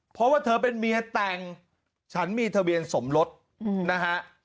เพราะว่าเธอเป็นเมียแต่งฉันมีทะเบียนสมรสนะฮะ